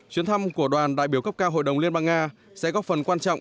chuyến thăm của đoàn đại biểu cấp cao hội đồng liên bang nga sẽ góp phần quan trọng